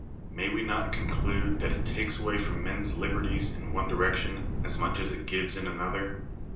May we not conclude that it takes away from men's liberties in one direc j tion, as much as it gives in another